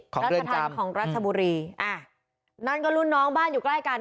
ของเกรงจำของรัชบุรีอ่านั่นก็รุ่นน้องบ้านอยู่ใกล้กัน